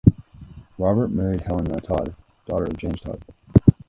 Robert married Helena Todd, daughter of James Todd.